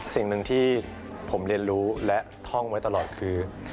สิ่งหนึ่งที่ผมเรียนรู้และท่องไว้ตลอดคือ